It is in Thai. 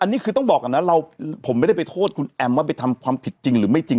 อันนี้คือต้องบอกก่อนนะเราผมไม่ได้ไปโทษคุณแอมว่าไปทำความผิดจริงหรือไม่จริง